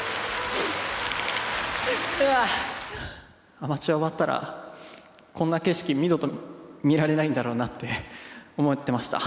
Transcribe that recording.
アマチュア終わったら、こんな景色、二度と見られないんだろうなって思ってました。